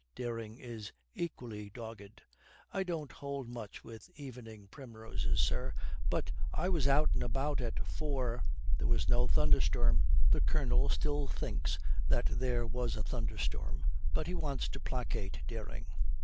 Dering is equally dogged. 'I don't hold much with evening primroses, sir; but I was out and about at four; there was no thunderstorm.' The Colonel still thinks that there was a thunderstorm, but he wants to placate Dering.